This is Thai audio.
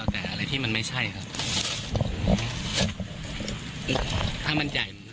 ถ้ามันใหญ่